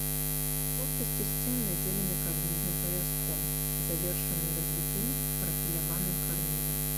Плоскасці сцен надзелены карнізным паяском, завершаны развітым прафіляваным карнізам.